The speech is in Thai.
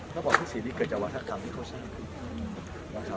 ระบอบภาคศีลนี้เกิดจากวัฒนากรรมที่เขาสร้าง